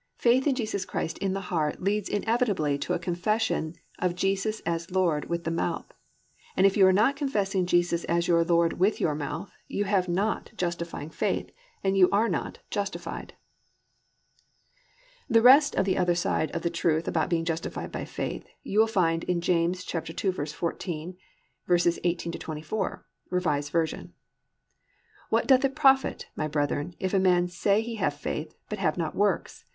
"+ Faith in Jesus Christ in the heart leads inevitably to a confession of Jesus as Lord with the mouth, and if you are not confessing Jesus as your Lord with your mouth you have not justifying faith and you are not justified. 6. The rest of the other side of the truth about being justified by faith, you will find in Jas. 2:14, 18 24, R. V. +"What doth it profit, my brethren, if a man say he hath faith but have not works?